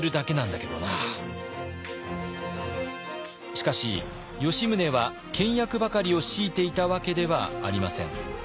しかし吉宗は倹約ばかりを強いていたわけではありません。